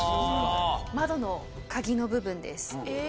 窓の鍵の部分です。